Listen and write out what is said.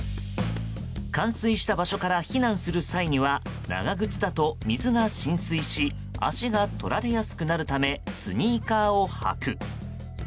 冠水した場所から避難する際には長靴だと水が浸水し足が取られやすくなるためスニーカーを履く。